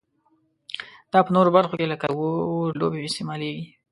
دا په نورو برخو کې لکه د اور لوبې استعمالیږي.